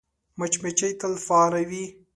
مچمچۍ تل فعاله وي